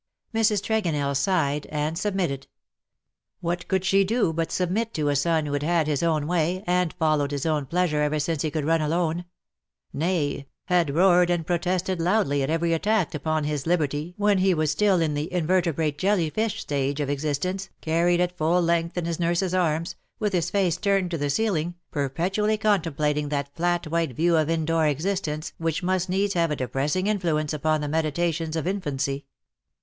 ^'' Mrs. Tregonell sighed and submitted. What could she do but submit to a son who had had his own way and followed his own pleasure ever since he could run alone ; nay, had roared and protested loudly at every attack upon his liberty when he was still in the invertebrate jelly fish stage of exist ence, carried at full length in his nurse^s arms, with his face turned to the ceiling, perpetually contem plating that flat white view of indoor existence which must needs have a depressing influence upon the meditations of infancy.